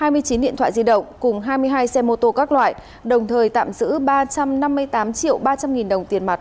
hai mươi chín điện thoại di động cùng hai mươi hai xe mô tô các loại đồng thời tạm giữ ba trăm năm mươi tám triệu ba trăm linh nghìn đồng tiền mặt